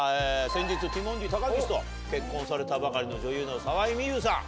先日ティモンディ・高岸と結婚されたばかりの女優の沢井美優さん。